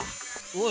おい